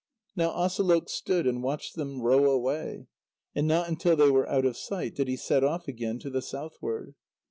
Now Asalôq stood and watched them row away, and not until they were out of sight did he set off again to the southward.